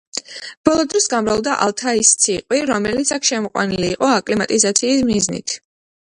ბოლო დროს გამრავლდა ალთაის ციყვი, რომელიც აქ შემოყვანილი იყო აკლიმატიზაციის მიზნით.